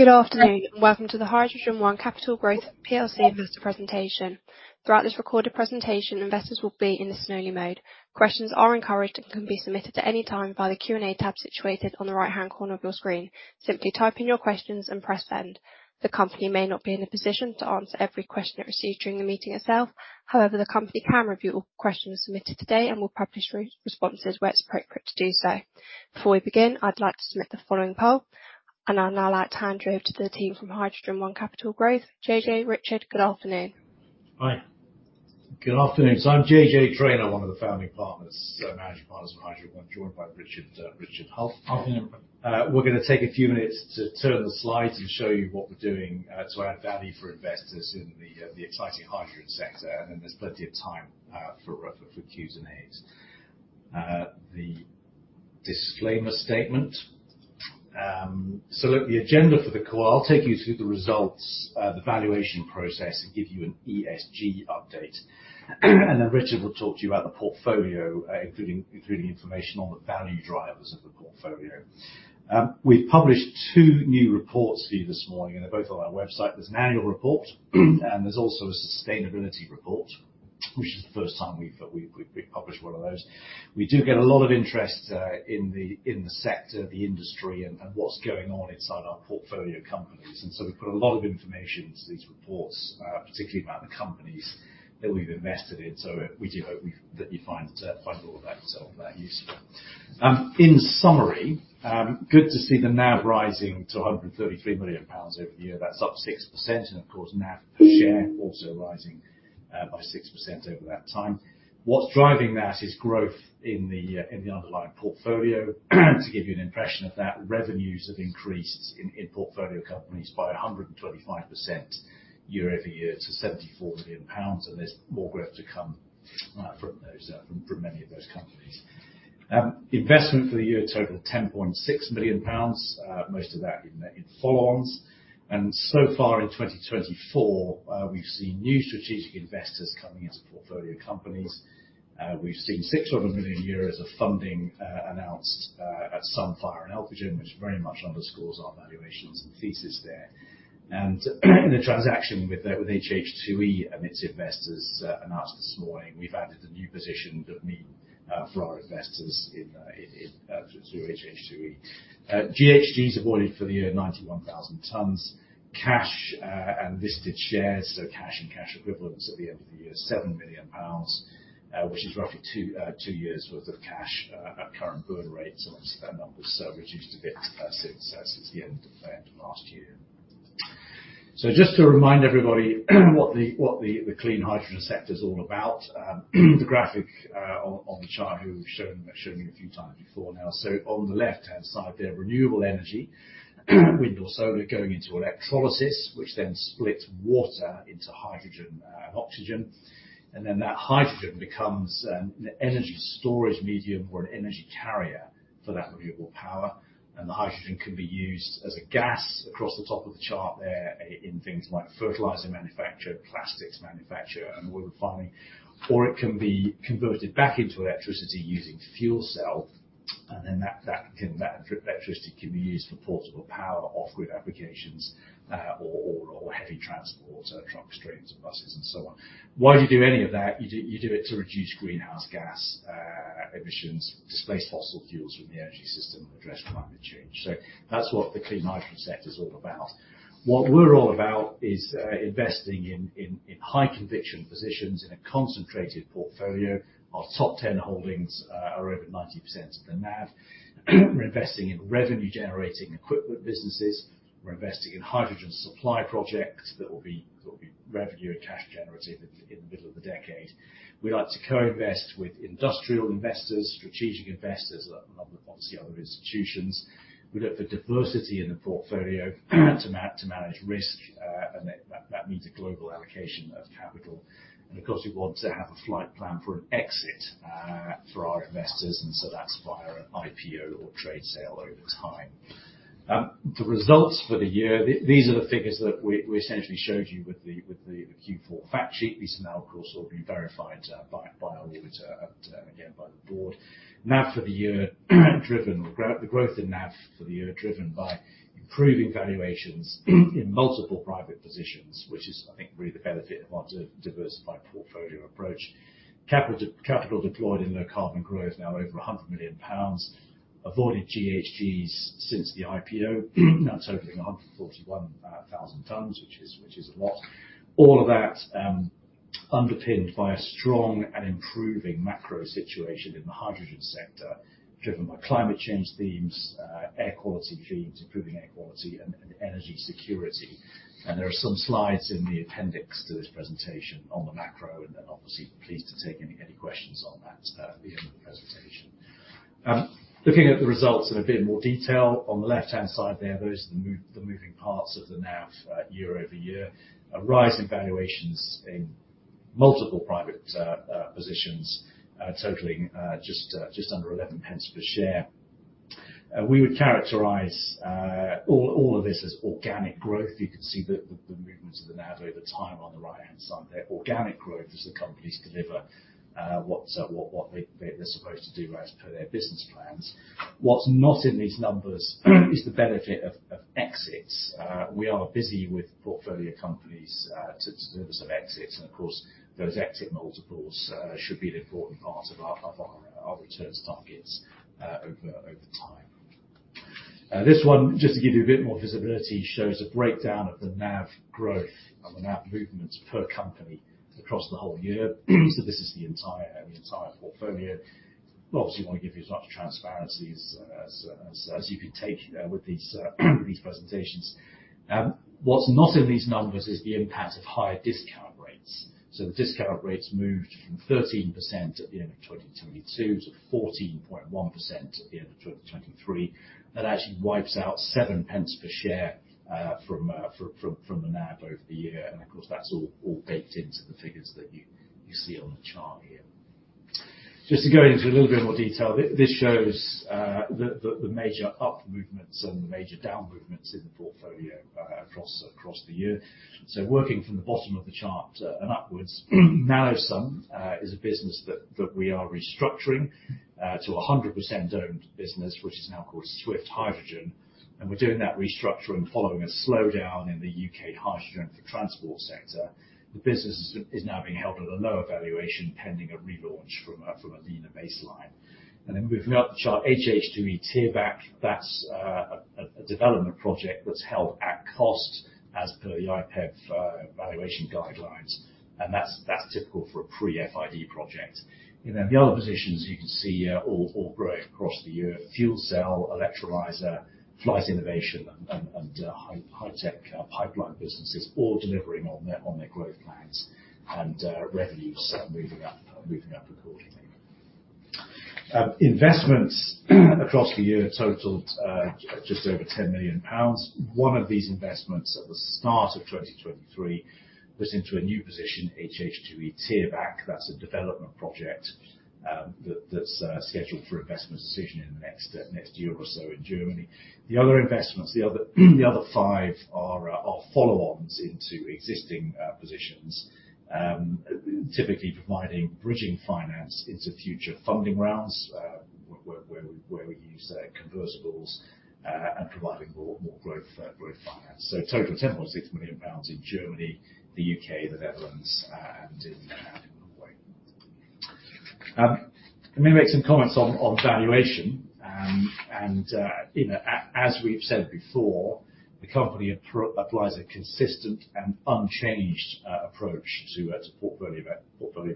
Good afternoon and welcome to the HydrogenOne Capital Growth PLC Investor Presentation. Throughout this recorded presentation, investors will be in the listen-only mode. Questions are encouraged and can be submitted at any time via the Q&A tab situated on the right-hand corner of your screen. Simply type in your questions and press send. The company may not be in a position to answer every question it received during the meeting itself. However, the company can review all questions submitted today and will publish responses where it's appropriate to do so. Before we begin, I'd like to submit the following poll, and I'll now like to hand you over to the team from HydrogenOne Capital Growth. JJ, Richard, good afternoon. Hi. Good afternoon. So I'm JJ Traynor, one of the founding partners, Managing Partners of HydrogenOne, joined by Richard Hulf. We're going to take a few minutes to turn the slides and show you what we're doing to add value for investors in the exciting hydrogen sector, and then there's plenty of time for Qs&As. The disclaimer statement. So look, the agenda for the call, I'll take you through the results, the valuation process, and give you an ESG update. And then Richard will talk to you about the portfolio, including information on the value drivers of the portfolio. We've published two new reports for you this morning, and they're both on our website. There's an annual report, and there's also a sustainability report, which is the first time we've published one of those. We do get a lot of interest in the sector, the industry, and what's going on inside our portfolio companies. And so we put a lot of information into these reports, particularly about the companies that we've invested in. So we do hope that you find all of that useful. In summary, good to see the NAV rising to 133 million pounds over the year. That's up 6%, and of course, NAV per share also rising by 6% over that time. What's driving that is growth in the underlying portfolio. To give you an impression of that, revenues have increased in portfolio companies by 125% year-over-year to 74 million pounds, and there's more growth to come from many of those companies. Investment for the year totaled 10.6 million pounds, most of that in follow-ons. And so far in 2024, we've seen new strategic investors coming into portfolio companies. We've seen 600 million euros of funding announced at Sunfire and Elcogen, which very much underscores our valuations and thesis there. In a transaction with HH2E and its investors announced this morning, we've added a new position for our investors through HH2E. GHGs avoided for the year 91,000 tonnes. Cash and listed shares, so cash and cash equivalents at the end of the year, 7 million pounds, which is roughly two years' worth of cash at current burn rates. Obviously, that number's reduced a bit since the end of last year. Just to remind everybody what the clean hydrogen sector's all about, the graphic on the chart which I've shown you a few times before now. On the left-hand side, there are renewable energy, wind or solar, going into electrolysis, which then splits water into hydrogen and oxygen. And then that hydrogen becomes an energy storage medium or an energy carrier for that renewable power. And the hydrogen can be used as a gas across the top of the chart there in things like fertilizer manufacture, plastics manufacture, and oil refining, or it can be converted back into electricity using fuel cells. And then that electricity can be used for portable power, off-grid applications, or heavy transport, truck, trains, and buses, and so on. Why do you do any of that? You do it to reduce greenhouse gas emissions, displace fossil fuels from the energy system, and address climate change. So that's what the clean hydrogen sector's all about. What we're all about is investing in high-conviction positions in a concentrated portfolio. Our top 10 holdings are over 90% of the NAV. We're investing in revenue-generating equipment businesses. We're investing in hydrogen supply projects that will be revenue and cash-generative in the middle of the decade. We like to co-invest with industrial investors, strategic investors, and obviously other institutions. We look for diversity in the portfolio to manage risk, and that means a global allocation of capital. Of course, we want to have a flight plan for an exit for our investors, and so that's via an IPO or trade sale over time. The results for the year, these are the figures that we essentially showed you with the Q4 fact sheet. These have now, of course, all been verified by our auditor and, again, by the board. NAV for the year driven or the growth in NAV for the year driven by improving valuations in multiple private positions, which is, I think, really the benefit of our diversified portfolio approach. Capital deployed in low-carbon growth now over 100 million pounds. Avoided GHGs since the IPO. That's totaling 141,000 tons, which is a lot. All of that underpinned by a strong and improving macro situation in the hydrogen sector driven by climate change themes, air quality themes, improving air quality, and energy security. There are some slides in the appendix to this presentation on the macro, and then obviously pleased to take any questions on that at the end of the presentation. Looking at the results in a bit more detail, on the left-hand side there, those are the moving parts of the NAV year-over-year. A rise in valuations in multiple private positions, totaling just under 0.11 per share. We would characterise all of this as organic growth. You can see the movements of the NAV over time on the right-hand side there. Organic growth is the companies deliver what they're supposed to do as per their business plans. What's not in these numbers is the benefit of exits. We are busy with portfolio companies to deliver some exits, and of course, those exit multiples should be an important part of our returns targets over time. This one, just to give you a bit more visibility, shows a breakdown of the NAV growth and the NAV movements per company across the whole year. So this is the entire portfolio. Obviously, we want to give you as much transparency as you can take with these presentations. What's not in these numbers is the impact of higher discount rates. So the discount rates moved from 13% at the end of 2022 to 14.1% at the end of 2023. That actually wipes out 0.07 per share from the NAV over the year, and of course, that's all baked into the figures that you see on the chart here. Just to go into a little bit more detail, this shows the major up movements and the major down movements in the portfolio across the year. So working from the bottom of the chart and upwards, NanoSUN is a business that we are restructuring to a 100% owned business, which is now called Swift Hydrogen. And we're doing that restructuring following a slowdown in the UK hydrogen for transport sector. The business is now being held at a lower valuation pending a relaunch from a leaner baseline. And then moving up the chart, HH2E Thierbach, that's a development project that's held at cost as per the IPEV valuation guidelines, and that's typical for a pre-FID project. Then the other positions you can see all growing across the year, fuel cell, electrolyser, flight innovation, and high-tech pipeline businesses, all delivering on their growth plans and revenues moving up accordingly. Investments across the year totaled just over 10 million pounds. One of these investments at the start of 2023 put into a new position, HH2E Thierbach. That's a development project that's scheduled for investment decision in the next year or so in Germany. The other investments, the other five are follow-ons into existing positions, typically providing bridging finance into future funding rounds where we use convertibles and providing more growth finance. Total 10.6 million pounds in Germany, the U.K., the Netherlands, and in Norway. Let me make some comments on valuation. As we've said before, the company applies a consistent and unchanged approach to portfolio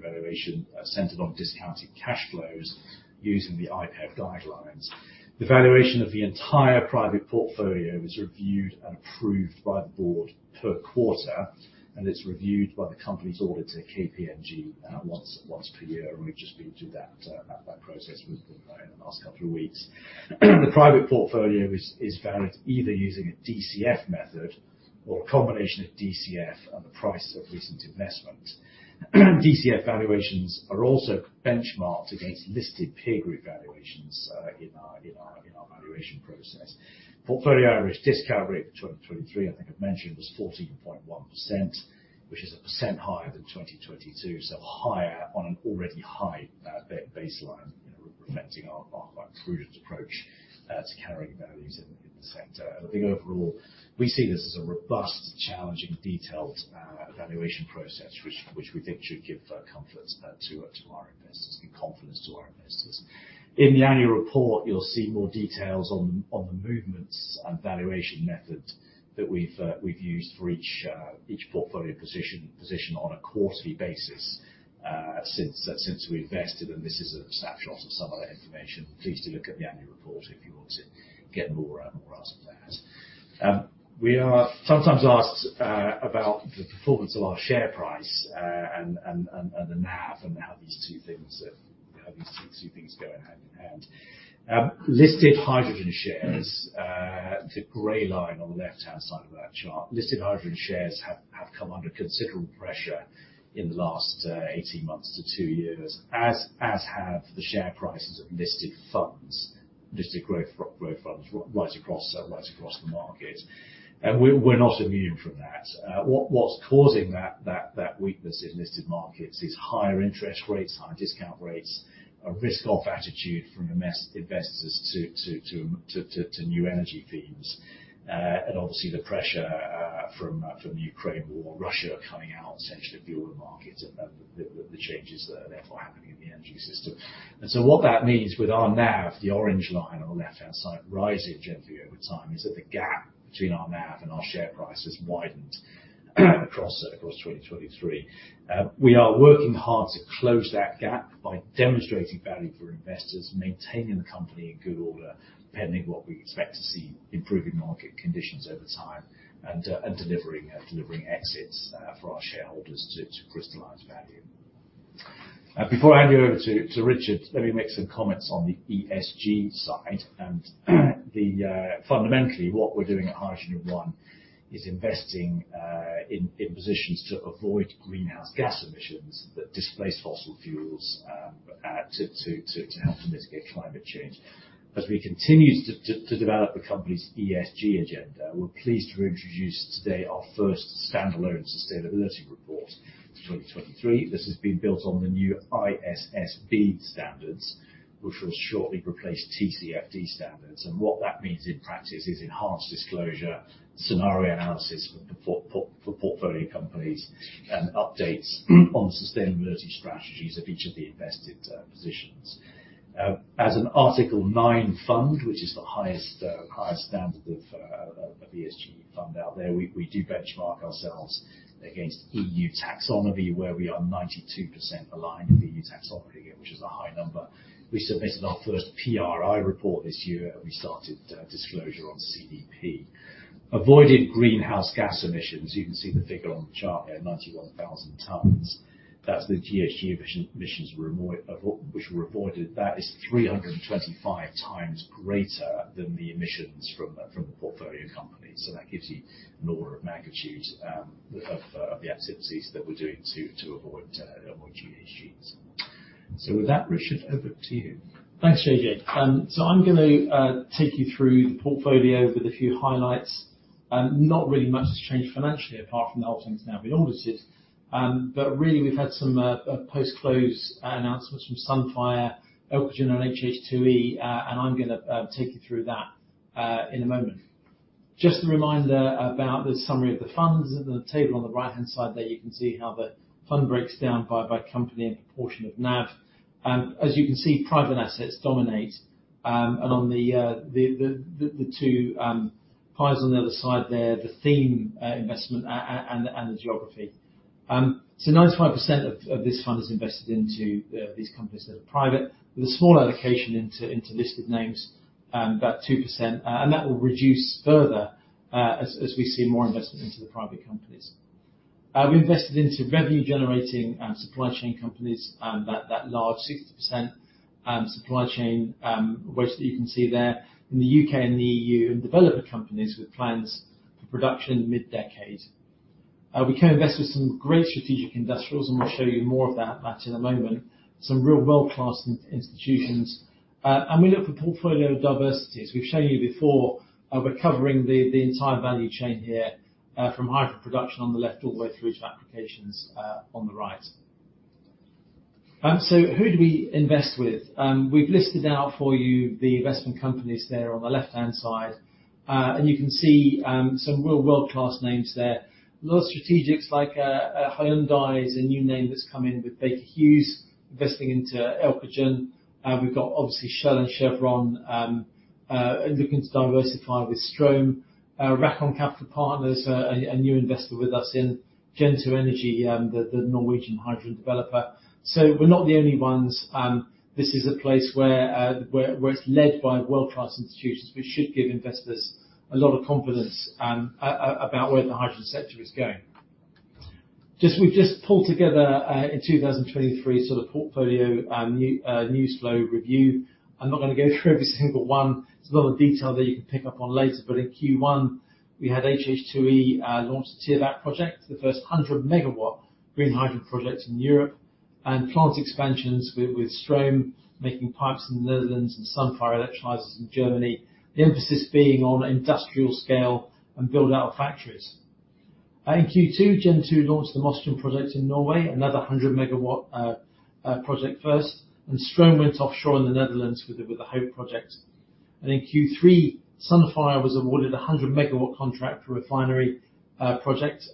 valuation centered on discounting cash flows using the IPEV guidelines. The valuation of the entire private portfolio is reviewed and approved by the board per quarter, and it's reviewed by the company's auditor, KPMG, once per year, and we've just been through that process in the last couple of weeks. The private portfolio is valued either using a DCF method or a combination of DCF and the price of recent investment. DCF valuations are also benchmarked against listed peer group valuations in our valuation process. Portfolio average discount rate for 2023, I think I've mentioned, was 14.1%, which is 1% higher than 2022, so higher on an already high baseline, reflecting our quite prudent approach to carrying values in the sector. I think overall, we see this as a robust, challenging, detailed evaluation process, which we think should give confidence to our investors and confidence to our investors. In the annual report, you'll see more details on the movements and valuation method that we've used for each portfolio position on a quarterly basis since we invested, and this is a snapshot of some of that information. Please do look at the annual report if you want to get more out of that. We are sometimes asked about the performance of our share price and the NAV and how these two things go hand in hand. Listed hydrogen shares, the grey line on the left-hand side of that chart, listed hydrogen shares have come under considerable pressure in the last 18 months to two years, as have the share prices of listed funds, listed growth funds, right across the market. We're not immune from that. What's causing that weakness in listed markets is higher interest rates, higher discount rates, a risk-off attitude from investors to new energy themes, and obviously the pressure from the Ukraine war, Russia coming out essentially to fuel the markets and the changes that are therefore happening in the energy system. And so what that means with our NAV, the orange line on the left-hand side rising gently over time, is that the gap between our NAV and our share prices widened across 2023. We are working hard to close that gap by demonstrating value for investors, maintaining the company in good order pending what we expect to see improving market conditions over time, and delivering exits for our shareholders to crystallize value. Before I hand you over to Richard, let me make some comments on the ESG side. Fundamentally, what we're doing at HydrogenOne is investing in positions to avoid greenhouse gas emissions that displace fossil fuels to help to mitigate climate change. As we continue to develop the company's ESG agenda, we're pleased to reintroduce today our first standalone sustainability report for 2023. This has been built on the new ISSB standards, which will shortly replace TCFD standards. What that means in practice is enhanced disclosure, scenario analysis for portfolio companies, and updates on the sustainability strategies of each of the invested positions. As an Article 9 fund, which is the highest standard of ESG fund out there, we do benchmark ourselves against EU Taxonomy, where we are 92% aligned with EU Taxonomy again, which is a high number. We submitted our first PRI report this year, and we started disclosure on CDP. Avoided greenhouse gas emissions. You can see the figure on the chart there: 91,000 tonnes. That's the GHG emissions which were avoided. That is 325x greater than the emissions from the portfolio companies. So that gives you an order of magnitude of the activities that we're doing to avoid GHGs. So with that, Richard, over to you. Thanks, Xenia. So I'm going to take you through the portfolio with a few highlights. Not really much has changed financially apart from the whole thing's now been audited. But really, we've had some post-close announcements from Sunfire, Elcogen, and HH2E, and I'm going to take you through that in a moment. Just a reminder about the summary of the funds. In the table on the right-hand side there, you can see how the fund breaks down by company and proportion of NAV. As you can see, private assets dominate. On the two pies on the other side there, the theme investment and the geography. 95% of this fund is invested into these companies that are private, with a small allocation into listed names, about 2%, and that will reduce further as we see more investment into the private companies. We invested into revenue-generating supply chain companies, that large 60% supply chain weight that you can see there, in the U.K. and the EU, and developer companies with plans for production mid-decade. We co-invest with some great strategic industrials, and we'll show you more of that in a moment, some real world-class institutions. We look for portfolio diversities. We've shown you before, we're covering the entire value chain here from hydro production on the left all the way through to applications on the right. So who do we invest with? We've listed out for you the investment companies there on the left-hand side, and you can see some real world-class names there. A lot of strategics like Hyundai is a new name that's come in with Baker Hughes investing into Elcogen. We've got obviously Shell and Chevron looking to diversify with Strohm. HyCap, a new investor with us in Gen2 Energy, the Norwegian hydrogen developer. So we're not the only ones. This is a place where it's led by world-class institutions, which should give investors a lot of confidence about where the hydrogen sector is going. We've just pulled together in 2023 sort of portfolio newsflow review. I'm not going to go through every single one. It's a lot of detail that you can pick up on later, but in Q1, we had HH2E launch the Thierbach project, the first 100-megawatt green hydrogen project in Europe, and plant expansions with Strohm making pipes in the Netherlands and Sunfire electrolysers in Germany, the emphasis being on industrial scale and build-out of factories. In Q2, Gen2 launched the Mosjøen project in Norway, another 100-megawatt project first, and Strohm went offshore in the Netherlands with the HOPE project. In Q3, Sunfire was awarded a 100 MW contract for a refinery project,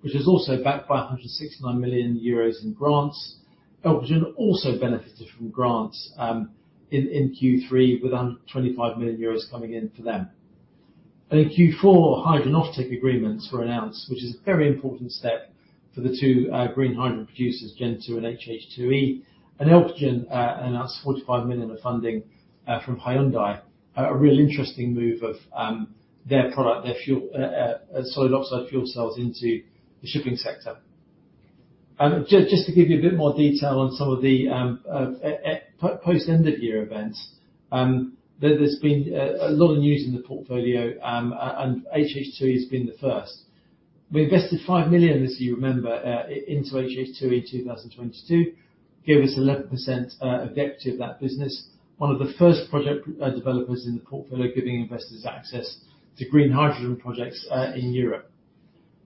which is also backed by 169 million euros in grants. Elcogen also benefited from grants in Q3 with 125 million euros coming in for them. In Q4, hydrogen offtake agreements were announced, which is a very important step for the two green hydrogen producers, Gen2 and HH2E. Elcogen announced 45 million of funding from Hyundai, a real interesting move of their product, their solid oxide fuel cells, into the shipping sector. Just to give you a bit more detail on some of the post-end-of-year events, there's been a lot of news in the portfolio, and HH2E has been the first. We invested 5 million this year, remember, into HH2E in 2022, gave us 11% objective of that business, one of the first project developers in the portfolio giving investors access to green hydrogen projects in Europe.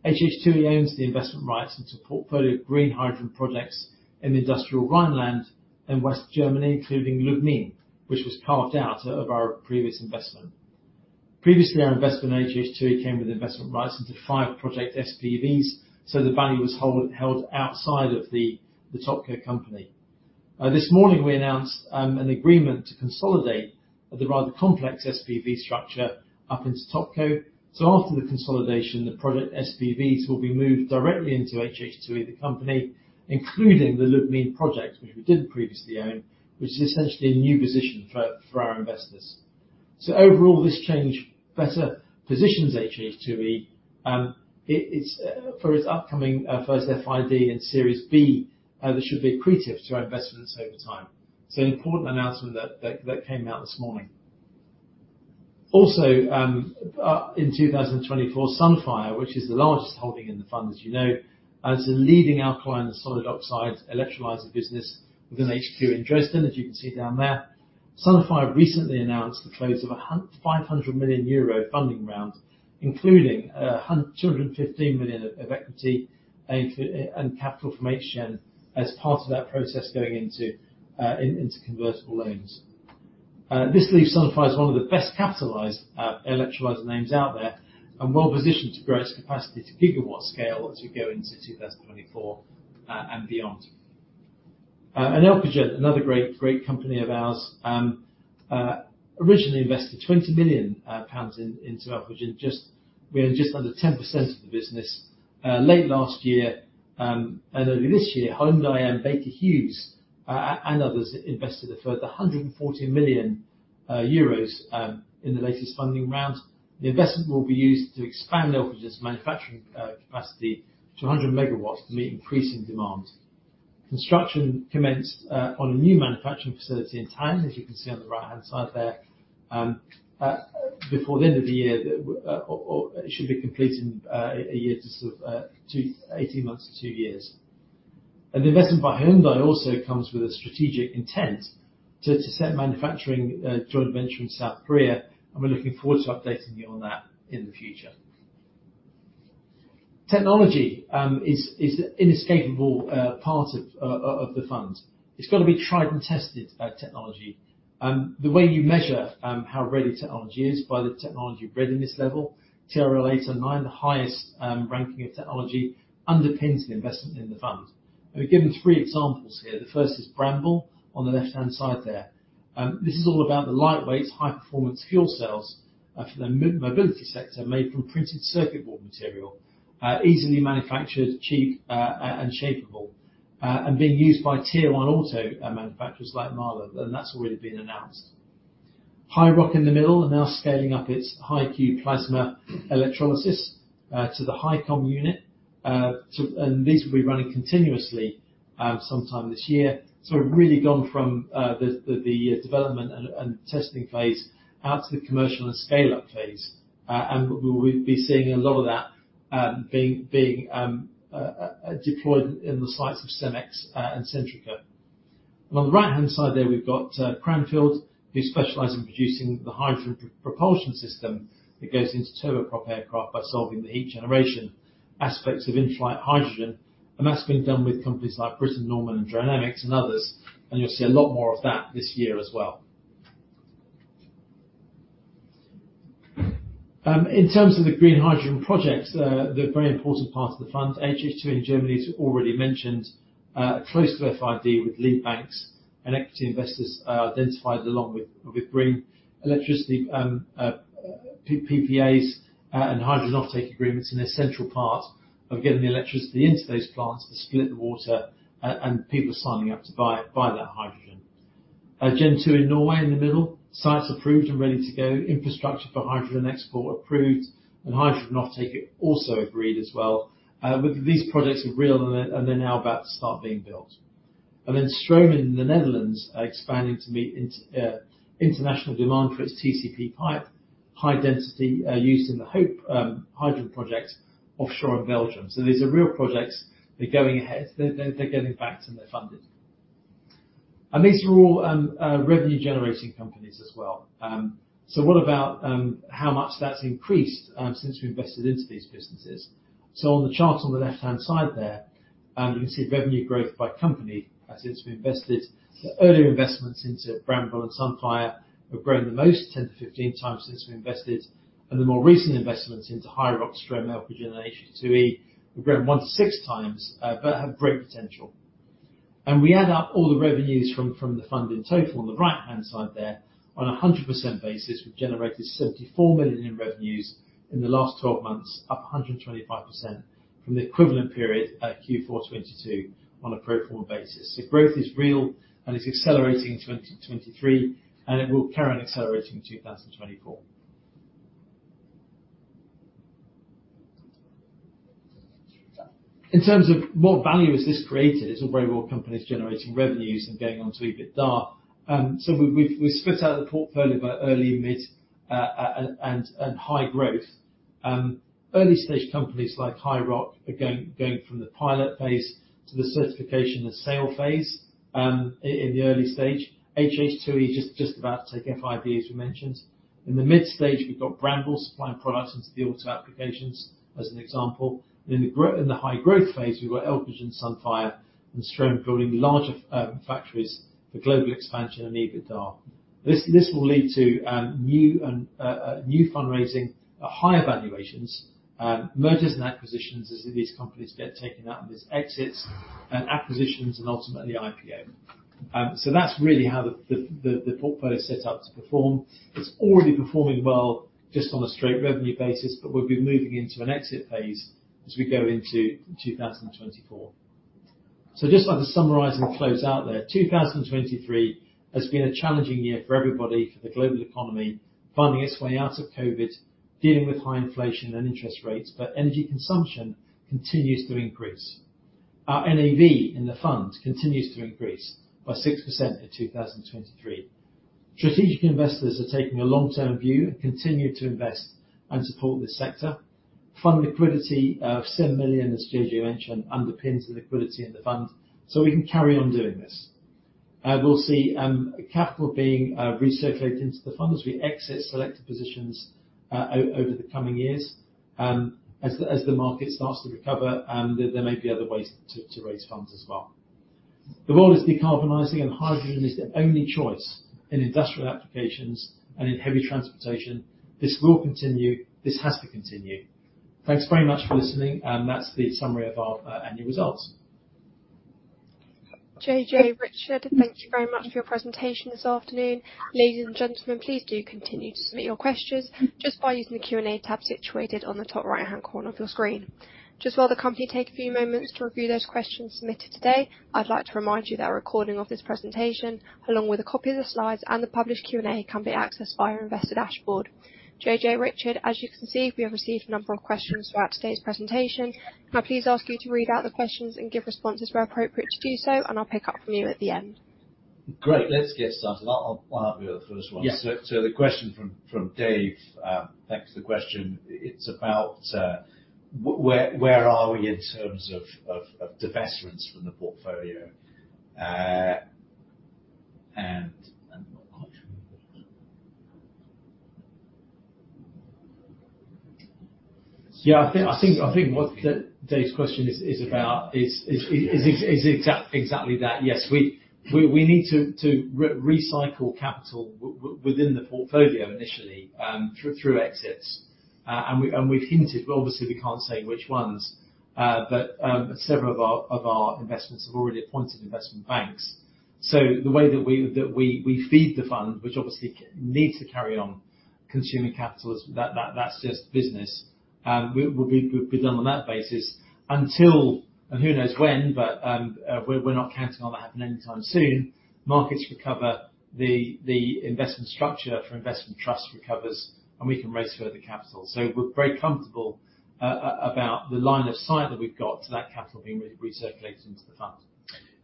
HH2E owns the investment rights into a portfolio of green hydrogen projects in the industrial Rhineland and West Germany, including Lubmin, which was carved out of our previous investment. Previously, our investment in HH2E came with investment rights into five project SPVs, so the value was held outside of the Topco company. This morning, we announced an agreement to consolidate the rather complex SPV structure up into Topco. So after the consolidation, the project SPVs will be moved directly into HH2E, the company, including the Lubmin project, which we did previously own, which is essentially a new position for our investors. So overall, this change better positions HH2E for its upcoming first FID and Series B that should be accretive to our investments over time. So an important announcement that came out this morning. Also, in 2024, Sunfire, which is the largest holding in the fund, as you know, is a leading alkaline and solid oxide electrolyser business with an HQ in Dresden, as you can see down there. Sunfire recently announced the close of a 500 million euro funding round, including 215 million of equity and capital from HGEN as part of that process going into convertible loans. This leaves Sunfire as one of the best capitalized electrolyzer names out there and well positioned to grow its capacity to gigawatt scale as we go into 2024 and beyond. Elcogen, another great company of ours, originally invested 20 million pounds into Elcogen, wearing just under 10% of the business late last year. Early this year, Hyundai and Baker Hughes and others invested a further 140 million euros in the latest funding round. The investment will be used to expand Elcogen's manufacturing capacity to 100 MW to meet increasing demand. Construction commenced on a new manufacturing facility in Tallinn, as you can see on the right-hand side there, before the end of the year. It should be completed in a year to sort of 18 months to two years. The investment by Hyundai also comes with a strategic intent to set manufacturing joint venture in South Korea, and we're looking forward to updating you on that in the future. Technology is an inescapable part of the fund. It's got to be tried and tested technology. The way you measure how ready technology is by the technology readiness level, TRL 8-9, the highest ranking of technology, underpins the investment in the fund. We've given three examples here. The first is Bramble on the left-hand side there. This is all about the lightweight, high-performance fuel cells for the mobility sector made from printed circuit board material, easily manufactured, cheap, and shapable, and being used by Tier 1 auto manufacturers like MAHLE, and that's already been announced. HiiROC in the middle are now scaling up its HiQ plasma electrolysis to the HiCom unit, and these will be running continuously sometime this year. So we've really gone from the development and testing phase out to the commercial and scale-up phase, and we'll be seeing a lot of that being deployed in the sites of Cemex and Centrica. On the right-hand side there, we've got Cranfield, who specialize in producing the hydrogen propulsion system that goes into turboprop aircraft by solving the heat generation aspects of in-flight hydrogen, and that's been done with companies like Britten-Norman, and Dronamics, and others, and you'll see a lot more of that this year as well. In terms of the green hydrogen projects, they're a very important part of the fund. HH2E in Germany has already mentioned a close to FID with lead banks, and equity investors are identified along with green electricity PPAs and hydrogen offtake agreements in a central part of getting the electricity into those plants to split the water, and people are signing up to buy that hydrogen. Gen2 in Norway in the middle, sites approved and ready to go, infrastructure for hydrogen export approved, and hydrogen offtake also agreed as well. These projects are real, and they're now about to start being built. And then Strohm in the Netherlands are expanding to meet international demand for its TCP pipe, high density used in the HOPE hydrogen project offshore in Belgium. So these are real projects. They're going ahead. They're getting backed, and they're funded. And these are all revenue-generating companies as well. So what about how much that's increased since we invested into these businesses? So on the chart on the left-hand side there, you can see revenue growth by company since we invested. The earlier investments into Bramble and Sunfire have grown the most, 10x-15x since we invested, and the more recent investments into HiiROC, Strohm, Elcogen, and HH2E have grown 1x-6x but have great potential. And we add up all the revenues from the fund in total on the right-hand side there. On a 100% basis, we've generated 74 million in revenues in the last 12 months, up 125% from the equivalent period Q4 2022 on a pro forma basis. So growth is real, and it's accelerating in 2023, and it will carry on accelerating in 2024. In terms of what value has this created, it's a very well companies generating revenues and going on to EBITDA. So we've split out the portfolio by early, mid, and high growth. Early-stage companies like HiiROC are going from the pilot phase to the certification and sale phase in the early stage. HH2E is just about to take FID, as we mentioned. In the mid-stage, we've got Bramble supplying products into the auto applications, as an example. In the high growth phase, we've got Elcogen, Sunfire, and Strohm building larger factories for global expansion and EBITDA. This will lead to new fundraising, higher valuations, mergers and acquisitions as these companies get taken out of these exits and acquisitions, and ultimately IPO. So that's really how the portfolio is set up to perform. It's already performing well just on a straight revenue basis, but we'll be moving into an exit phase as we go into 2024. So just like the summarizing flows out there, 2023 has been a challenging year for everybody, for the global economy, finding its way out of COVID, dealing with high inflation and interest rates, but energy consumption continues to increase. Our NAV in the fund continues to increase by 6% in 2023. Strategic investors are taking a long-term view and continue to invest and support this sector. Fund liquidity of 7 million, as JJ mentioned, underpins the liquidity in the fund, so we can carry on doing this. We'll see capital being recirculated into the fund as we exit selected positions over the coming years. As the market starts to recover, there may be other ways to raise funds as well. The world is decarbonizing, and hydrogen is the only choice in industrial applications and in heavy transportation. This will continue. This has to continue. Thanks very much for listening, and that's the summary of our annual results. JJ, Richard, thank you very much for your presentation this afternoon. Ladies and gentlemen, please do continue to submit your questions just by using the Q&A tab situated on the top right-hand corner of your screen. Just while the company takes a few moments to review those questions submitted today, I'd like to remind you that a recording of this presentation, along with a copy of the slides and the published Q&A, can be accessed via our investor dashboard. JJ, Richard, as you can see, we have received a number of questions throughout today's presentation, and I please ask you to read out the questions and give responses where appropriate to do so, and I'll pick up from you at the end. Great. Let's get started. I'll have you with the first one. So the question from Dave, thanks for the question. It's about where are we in terms of divestments from the portfolio? Yeah, I think what Dave's question is about is exactly that. Yes, we need to recycle capital within the portfolio initially through exits. And we've hinted, well, obviously we can't say which ones, but several of our investments have already appointed investment banks. So the way that we feed the fund, which obviously needs to carry on consuming capital, that's just business. We'll be done on that basis until, and who knows when, but we're not counting on that happening anytime soon. Markets recover, the investment structure for investment trusts recovers, and we can raise further capital. So we're very comfortable about the line of sight that we've got to that capital being recirculated into the fund.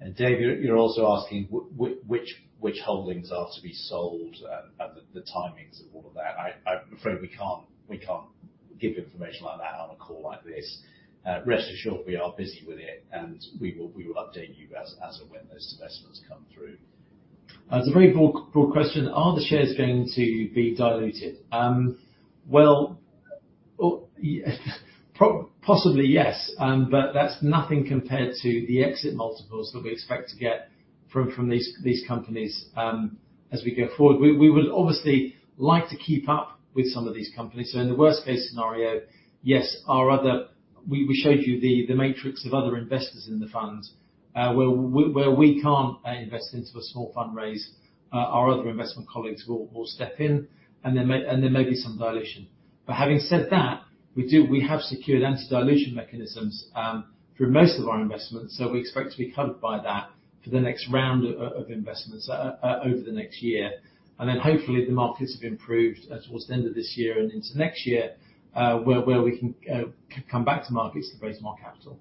And Dave, you're also asking which holdings are to be sold and the timings of all of that. I'm afraid we can't give information like that on a call like this. Rest assured, we are busy with it, and we will update you as and when those divestments come through. It's a very broad question. Are the shares going to be diluted? Well, possibly, yes, but that's nothing compared to the exit multiples that we expect to get from these companies as we go forward. We would obviously like to keep up with some of these companies. So in the worst-case scenario, yes, we showed you the matrix of other investors in the fund where we can't invest into a small fund raise. Our other investment colleagues will step in, and there may be some dilution. But having said that, we have secured anti-dilution mechanisms through most of our investments, so we expect to be covered by that for the next round of investments over the next year. And then hopefully, the markets have improved towards the end of this year and into next year where we can come back to markets to raise more capital.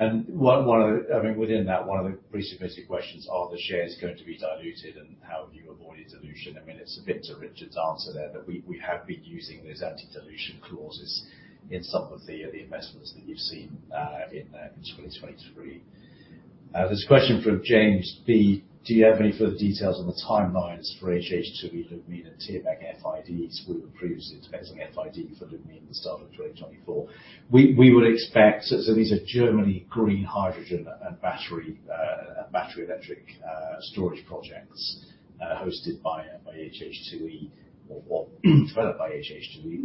And I mean, within that, one of the pretty significant questions: Are the shares going to be diluted, and how have you avoided dilution? I mean, it's a bit to Richard's answer there that we have been using those anti-dilution clauses in some of the investments that you've seen in 2023. There's a question from James B. Do you have any further details on the timelines for HH2E, Lubmin, and Thierbach FIDs? We were previously investing FID for Lubmin at the start of 2024. We would expect—so these are Germany green hydrogen and battery electric storage projects hosted by HH2E or developed by HH2E.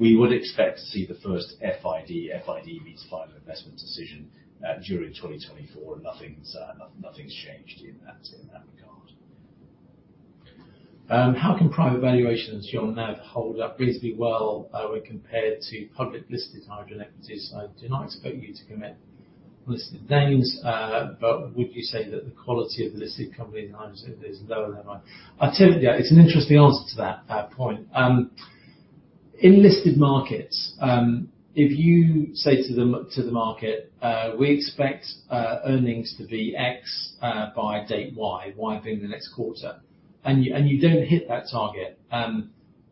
We would expect to see the first FID—FID means final investment decision—during 2024, and nothing's changed in that regard. How can private valuations, John, now hold up reasonably well when compared to public listed hydrogen equities? I do not expect you to commit on listed names, but would you say that the quality of the listed companies is lower than—yeah, it's an interesting answer to that point. In listed markets, if you say to the market, "We expect earnings to be X by date Y, Y being the next quarter," and you don't hit that target,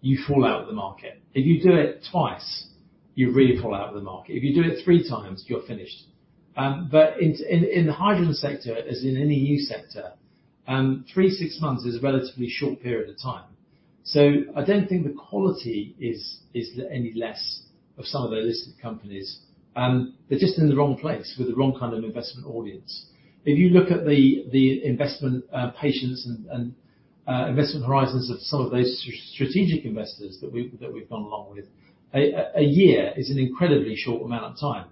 you fall out of the market. If you do it twice, you really fall out of the market. If you do it 3x, you're finished. But in the hydrogen sector, as in any new sector, three, six months is a relatively short period of time. So I don't think the quality is any less of some of those listed companies. They're just in the wrong place with the wrong kind of investment audience. If you look at the investment patience and investment horizons of some of those strategic investors that we've gone along with, a year is an incredibly short amount of time.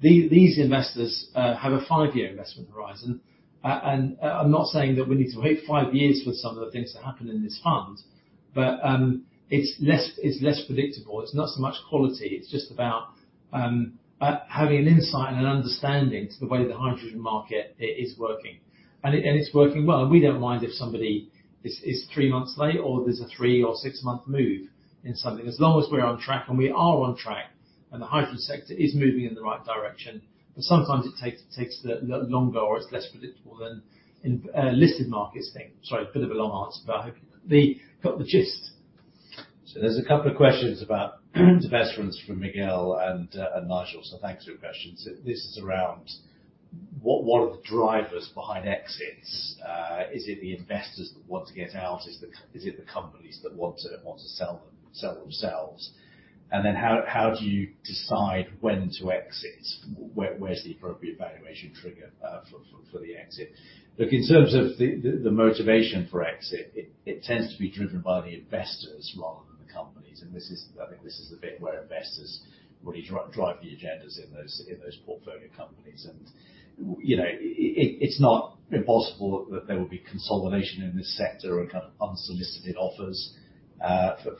These investors have a five-year investment horizon, and I'm not saying that we need to wait five years for some of the things to happen in this fund, but it's less predictable. It's not so much quality. It's just about having an insight and an understanding to the way the hydrogen market is working. And it's working well, and we don't mind if somebody is three months late or there's a three or six-month move in something, as long as we're on track, and we are on track, and the hydrogen sector is moving in the right direction. But sometimes it takes longer, or it's less predictable than listed markets think. Sorry, bit of a long answer, but I hope you got the gist. So there's a couple of questions about divestments from Miguel and Nigel, so thanks for your questions. This is around what are the drivers behind exits? Is it the investors that want to get out? Is it the companies that want to sell themselves? And then how do you decide when to exit? Where's the appropriate valuation trigger for the exit? Look, in terms of the motivation for exit, it tends to be driven by the investors rather than the companies. I think this is the bit where investors really drive the agendas in those portfolio companies. It's not impossible that there will be consolidation in this sector and kind of unsolicited offers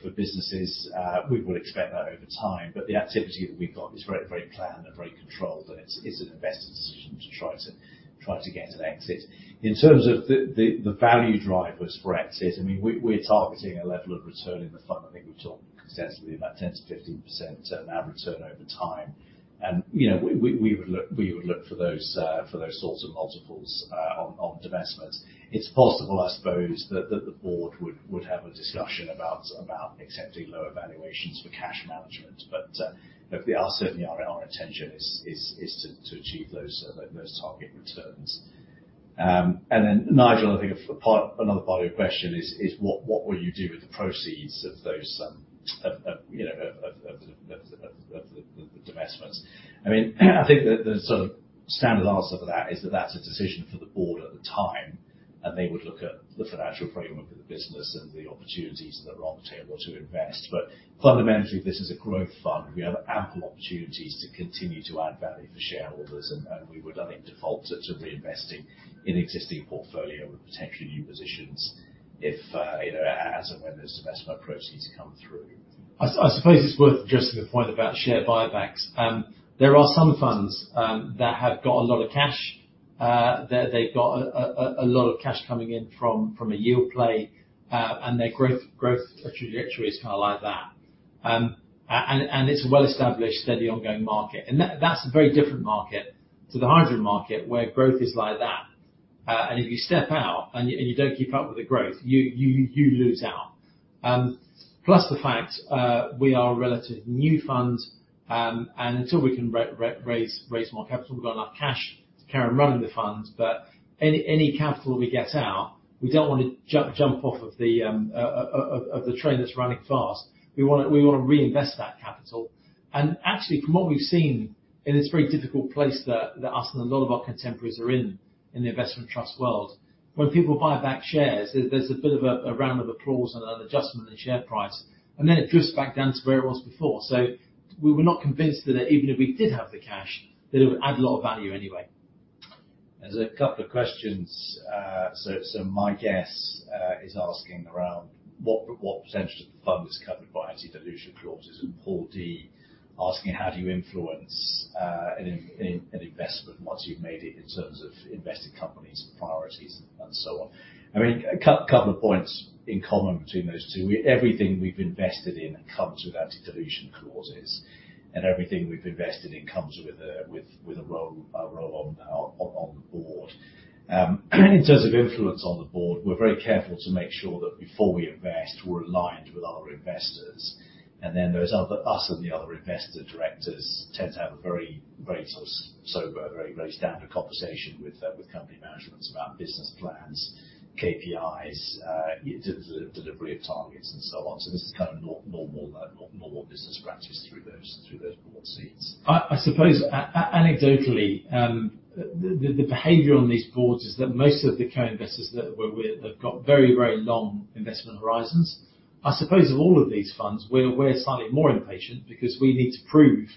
for businesses. We would expect that over time, but the activity that we've got is very, very planned and very controlled, and it's an investor's decision to try to get an exit. In terms of the value drivers for exit, I mean, we're targeting a level of return in the fund. I think we've talked consensually about 10%-15% turnaround return over time, and we would look for those sorts of multiples on divestments. It's possible, I suppose, that the board would have a discussion about accepting lower valuations for cash management, but certainly our intention is to achieve those target returns. And then Nigel, I think another part of your question is what will you do with the proceeds of those of the divestments? I mean, I think the sort of standard answer for that is that that's a decision for the board at the time, and they would look at the financial framework of the business and the opportunities that are on the table to invest. But fundamentally, this is a growth fund. We have ample opportunities to continue to add value for shareholders, and we would, I think, default to reinvesting in existing portfolio with potentially new positions as and when those investment proceeds come through. I suppose it's worth addressing the point about share buybacks. There are some funds that have got a lot of cash. They've got a lot of cash coming in from a yield play, and their growth trajectory is kind of like that. It's a well-established, steady, ongoing market. That's a very different market to the hydrogen market where growth is like that. If you step out and you don't keep up with the growth, you lose out. Plus the fact we are a relatively new fund, and until we can raise more capital, we've got enough cash to carry on running the fund. Any capital that we get out, we don't want to jump off of the train that's running fast. We want to reinvest that capital. And actually, from what we've seen in this very difficult place that us and a lot of our contemporaries are in the investment trust world, when people buy back shares, there's a bit of a round of applause and an adjustment in share price, and then it drifts back down to where it was before. So we were not convinced that even if we did have the cash, that it would add a lot of value anyway. There's a couple of questions. So my guess is asking around what percentage of the fund is covered by anti-dilution clauses and Paul D asking, "How do you influence an investment once you've made it in terms of invested companies, priorities, and so on?" I mean, a couple of points in common between those two. Everything we've invested in comes with anti-dilution clauses, and everything we've invested in comes with a role on the board. In terms of influence on the board, we're very careful to make sure that before we invest, we're aligned with other investors. And then us and the other investor directors tend to have a very sober, very standard conversation with company management about business plans, KPIs, delivery of targets, and so on. So this is kind of normal business practice through those board seats. I suppose anecdotally, the behavior on these boards is that most of the co-investors that have got very, very long investment horizons, I suppose of all of these funds, we're slightly more impatient because we need to prove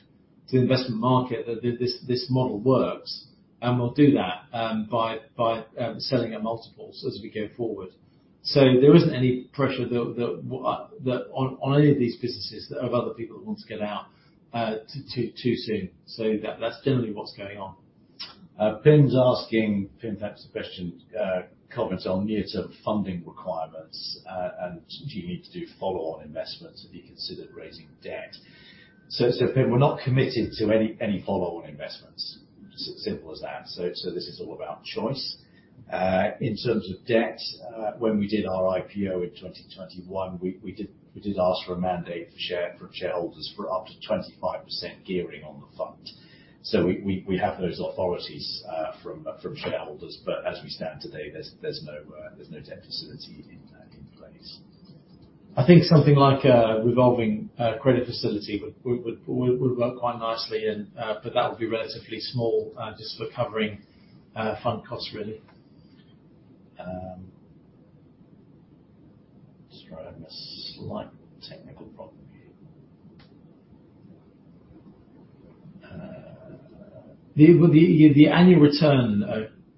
to the investment market that this model works, and we'll do that by selling at multiples as we go forward. So there isn't any pressure on any of these businesses of other people that want to get out too soon. So that's generally what's going on. Pim's asked a question, Colvin, it's on near-term funding requirements, and do you need to do follow-on investments if you consider raising debt? Pim, we're not committed to any follow-on investments, simple as that. This is all about choice. In terms of debt, when we did our IPO in 2021, we did ask for a mandate from shareholders for up to 25% gearing on the fund. We have those authorities from shareholders, but as we stand today, there's no debt facility in place. I think something like a revolving credit facility would work quite nicely, but that would be relatively small just for covering fund costs, really. I'm just trying to have a slight technical problem here. The annual return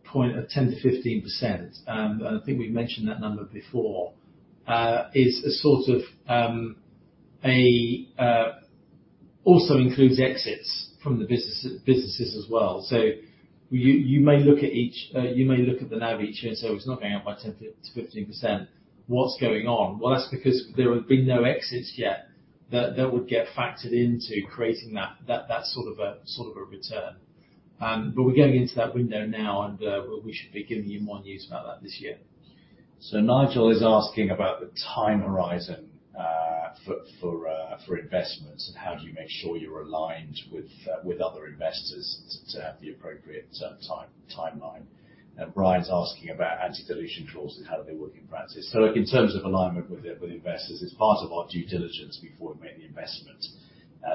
point of 10%-15%, and I think we've mentioned that number before, is a sort of a also includes exits from the businesses as well. So you may look at the NAV each year and say, "Well, it's not going up by 10%-15%. What's going on?" Well, that's because there have been no exits yet that would get factored into creating that sort of a return. But we're going into that window now, and we should be giving you more news about that this year. So Nigel is asking about the time horizon for investments and how do you make sure you're aligned with other investors to have the appropriate timeline. And Brian's asking about anti-dilution clauses and how they work in practice. So in terms of alignment with investors, it's part of our due diligence before we make the investment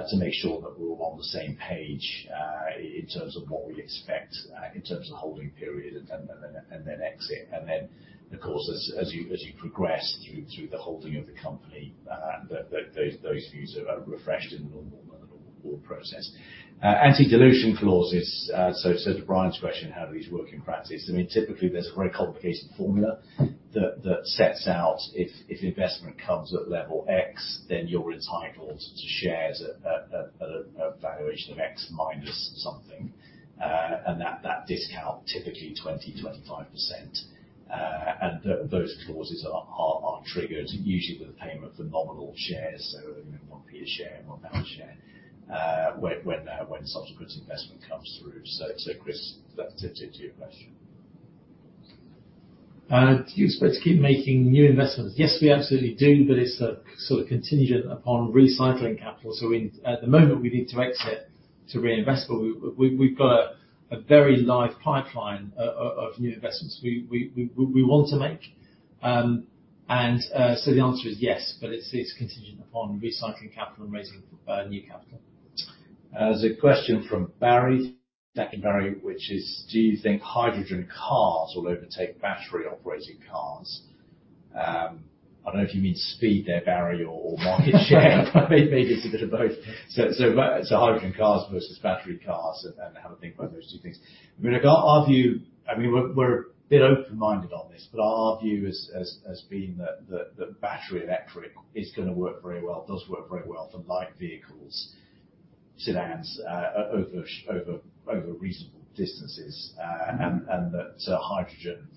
to make sure that we're all on the same page in terms of what we expect in terms of holding period and then exit. And then, of course, as you progress through the holding of the company, those views are refreshed in the normal board process. Anti-dilution clauses, so to Brian's question, how do these work in practice? I mean, typically, there's a very complicated formula that sets out if investment comes at level X, then you're entitled to shares at a valuation of X minus something, and that discount, typically 20%-25%. Those clauses are triggered usually with a payment for nominal shares, so one-pound share, one-pound share, when subsequent investment comes through. So, Chris, that's it to your question. Do you expect to keep making new investments? Yes, we absolutely do, but it's sort of contingent upon recycling capital. So at the moment, we need to exit to reinvest, but we've got a very live pipeline of new investments we want to make. And so the answer is yes, but it's contingent upon recycling capital and raising new capital. There's a question from Barry, Jack, and Barry, which is, "Do you think hydrogen cars will overtake battery-operated cars?" I don't know if you mean speed there, Barry, or market share. Maybe it's a bit of both. So hydrogen cars versus battery cars and how to think about those two things. I mean, I can't argue. I mean, we're a bit open-minded on this, but I'll argue as being that battery electric is going to work very well, does work very well for light vehicles, sedans, over reasonable distances, and that hydrogen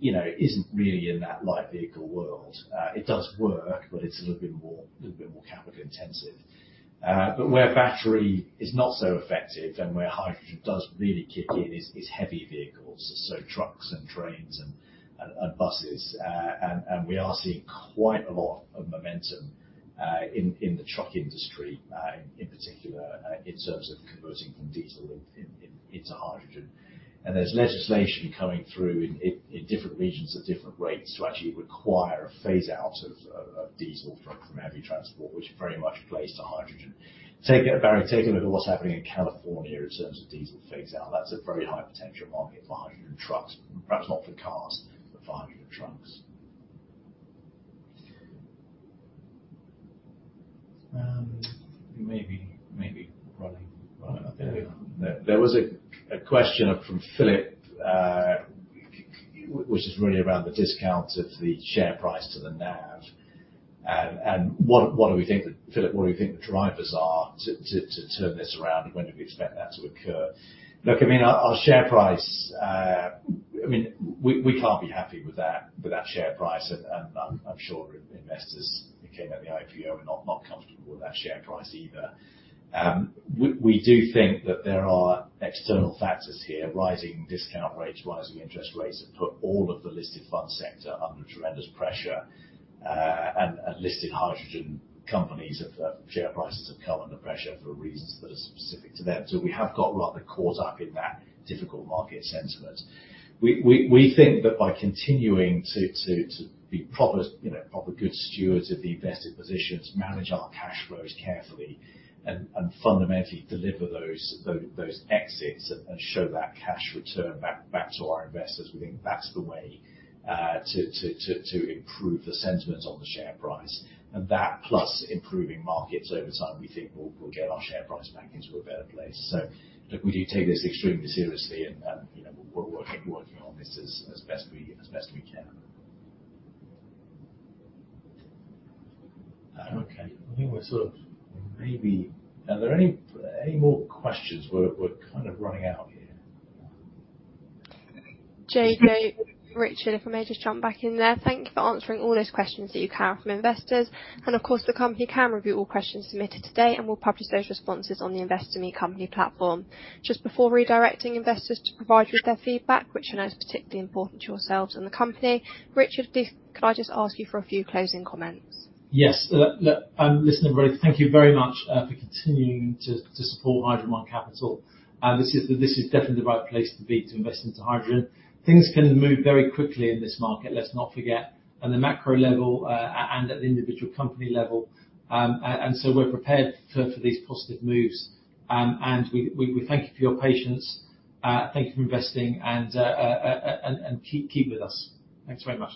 isn't really in that light vehicle world. It does work, but it's a little bit more capital-intensive. But where battery is not so effective and where hydrogen does really kick in is heavy vehicles, so trucks and trains and buses. And we are seeing quite a lot of momentum in the truck industry, in particular, in terms of converting from diesel into hydrogen. And there's legislation coming through in different regions at different rates to actually require a phase-out of diesel from heavy transport, which very much plays to hydrogen. Barry, take a look at what's happening in California in terms of diesel phase-out. That's a very high-potential market for hydrogen trucks, perhaps not for cars, but for hydrogen trucks. Maybe, maybe, Ronnie. I think we're. There was a question from Philip, which is really around the discount of the share price to the NAV. And what do we think that Philip, what do you think the drivers are to turn this around, and when do we expect that to occur? Look, I mean, our share price, I mean, we can't be happy with that share price, and I'm sure investors who came at the IPO are not comfortable with that share price either. We do think that there are external factors here, rising discount rates, rising interest rates, that put all of the listed fund sector under tremendous pressure. And listed hydrogen companies' share prices have come under pressure for reasons that are specific to them. So we have got rather caught up in that difficult market sentiment. We think that by continuing to be proper good stewards of the invested positions, manage our cash flows carefully, and fundamentally deliver those exits and show that cash return back to our investors, we think that's the way to improve the sentiment on the share price. And that, plus improving markets over time, we think we'll get our share price back into a better place. So look, we do take this extremely seriously, and we're working on this as best we can. Okay. I think we're sort of maybe are there any more questions? We're kind of running out here. JJ, Richard, if I may just jump back in there. Thank you for answering all those questions that you carry from investors. And of course, the company can review all questions submitted today, and we'll publish those responses on the Investor Meet Company platform. Just before redirecting investors to provide you with their feedback, which I know is particularly important to yourselves and the company, Richard, please, can I just ask you for a few closing comments? Yes. Look, listen, everybody, thank you very much for continuing to support HydrogenOne Capital. This is definitely the right place to be to invest into hydrogen. Things can move very quickly in this market, let's not forget, at the macro level and at the individual company level. And so we're prepared for these positive moves. And we thank you for your patience. Thank you for investing, and keep with us. Thanks very much.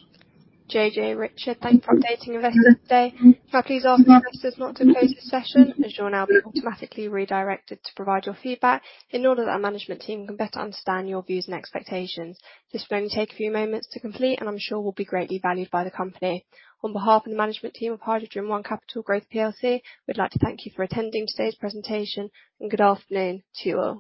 JJ, Richard, thanks for updating investors today. I'll please ask investors not to close this session, as you'll now be automatically redirected to provide your feedback in order that our management team can better understand your views and expectations. This will only take a few moments to complete, and I'm sure will be greatly valued by the company. On behalf of the management team of HydrogenOne Capital Growth PLC, we'd like to thank you for attending today's presentation, and good afternoon to you all.